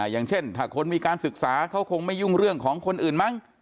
อย่างเช่นถ้าคนมีการศึกษาเขาคงไม่ยุ่งเรื่องของคนอื่นมั้ง